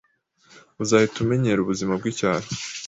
Uzahita umenyera ubuzima bwicyaro